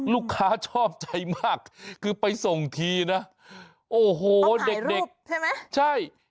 ชอบใจมากคือไปส่งทีนะโอ้โหเด็กใช่ไหมใช่